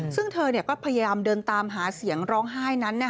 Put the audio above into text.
ซึ่งเธอก็พยายามเดินตามหาเสียงร้องไห้นั้น